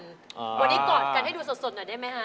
วันนี้กอดกันให้ดูสดหน่อยได้ไหมคะ